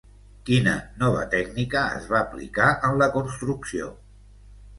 Quina nova tècnica es va aplicar en la construcció?